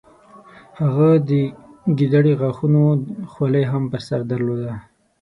هغه د ګیدړې غاښونو خولۍ هم په سر درلوده.